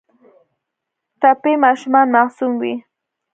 ټپي ماشومان معصوم وي.